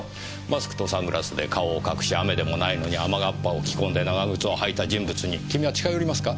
マスクとサングラスで顔を隠し雨でもないのに雨がっぱを着込んで長靴を履いた人物に君は近寄りますか？